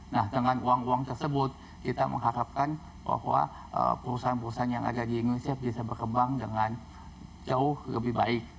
nah dengan uang uang tersebut kita mengharapkan bahwa perusahaan perusahaan yang ada di indonesia bisa berkembang dengan jauh lebih baik